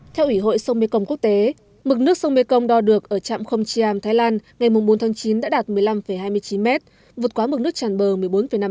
theo ủy hội sông mekong quốc tế mực nước sông mekong đo được ở trạm không chiam thái lan ngày bốn tháng chín đã đạt một mươi năm hai mươi chín mét vượt quá mực nước tràn bờ một mươi bốn năm